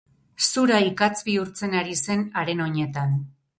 Zura ikatz bihurtzen ari zen haren oinetan.